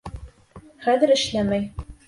Хәҙер эшләмәй.